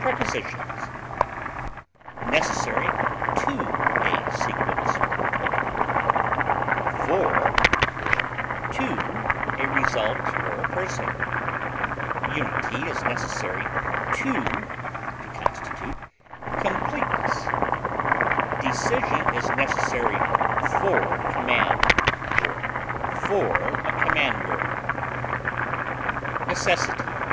Prepositions: Necessary to a sequence or a total; for or to a result or a person; unity is necessary to (to constitute) completeness; decision is necessary for command, or for a commander. NECESSITY.